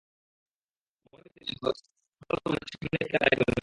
মনে করিয়ে দিলেন, মূলত সাফ ফুটবল সামনে রেখেই তাঁর দায়িত্ব নেওয়া।